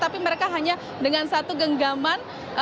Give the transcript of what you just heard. tapi mereka hanya dengan satu genggaman